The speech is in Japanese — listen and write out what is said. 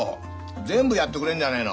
全部やってくれんじゃねえの。